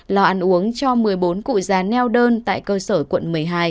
lò ăn uống cho một mươi bốn cụ già neo đơn tại cơ sở quận một mươi hai